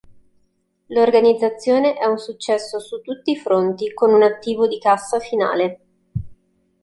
L'organizzazione è un successo su tutti i fronti con un attivo di cassa finale.